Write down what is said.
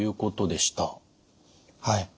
はい。